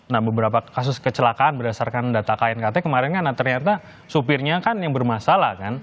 nah beberapa kasus kecelakaan berdasarkan data knkt kemarin kan ternyata supirnya kan yang bermasalah kan